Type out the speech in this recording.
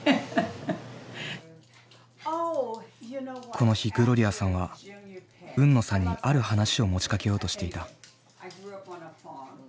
この日グロリアさんは海野さんにある話を持ちかけようとしていた。